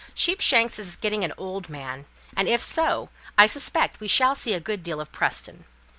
Sheepshanks is getting an old man. And if so, I suspect we shall see a good deal of Preston.